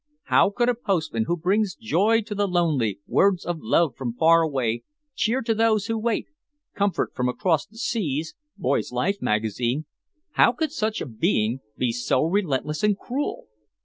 How could a postman, who brings joy to the lonely, words of love from far away, cheer to those who wait, comfort from across the seas, Boys' Life Magazine—how could such a being be so relentless and cruel?